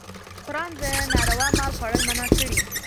قرآن د ناروا مال خوړل منع کړي.